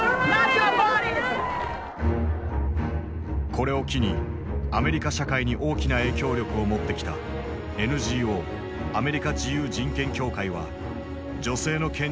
これを機にアメリカ社会に大きな影響力を持ってきたＮＧＯアメリカ自由人権協会は女性の権利を守るプロジェクトを始動させた。